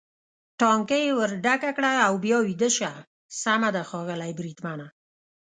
ټانکۍ یې ور ډکه کړه او بیا ویده شه، سمه ده ښاغلی بریدمنه.